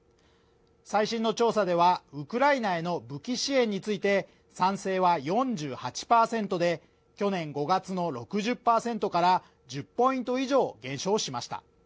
最新の調査では、ウクライナへの武器支援について賛成は４８％で去年５月の６０％から１０ポイント以上、減少しました。